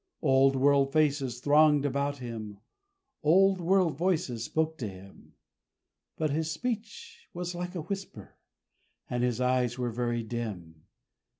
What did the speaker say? Old world faces thronged about him old world voices spoke to him; But his speech was like a whisper, and his eyes were very dim.